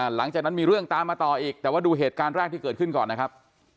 หลังจากนั้นมีเรื่องตามมาต่ออีกแต่ว่าดูเหตุการณ์แรกที่เกิดขึ้นก่อนนะครับ